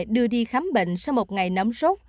đưa đi khám bệnh sau một ngày nấm sốt